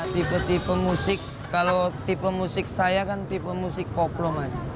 tipe tipe musik kalau tipe musik saya kan tipe musik koplo mas